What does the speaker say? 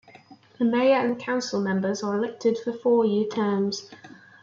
The mayor and the council members are elected for four-year terms.